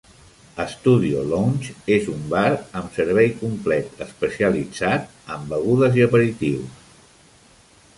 Studio Lounge és un bar amb servei complet especialitzat en begudes i aperitius.